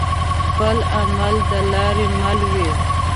خپل عمل د لاري مل وي